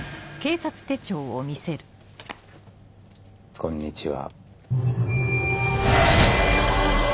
・こんにちは。